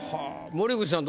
森口さん